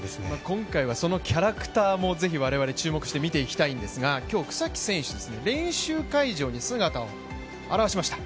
今回はそのキャラクターもぜひ、我々注目して見ていきたいんですが今日、草木選手練習会場に姿を現しました。